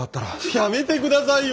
やめてくださいよ！